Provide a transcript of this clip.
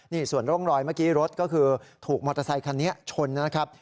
นี่ส่วนร่องรอยเมื่อกี้รถก็คือถูกมอเตอร์ไซคันนี้ชนนะครับ